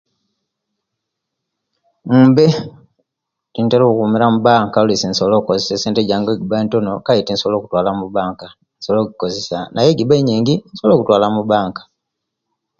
Mbe tintera okumira omubanka oluisi ntera okozesa esente jange owejiba entono Kale tinsobola okutwala omubanka nsobola okujikoyesa naye owejiba yingi nsobola okutwala omubanka